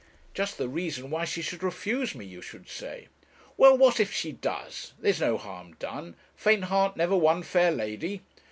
'Just the reason why she should refuse me, you should say.' 'Well what if she does? There's no harm done. 'Faint heart never won fair lady.'